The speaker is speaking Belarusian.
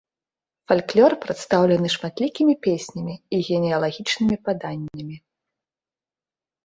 Фальклор прадстаўлены шматлікімі песнямі і генеалагічнымі паданнямі.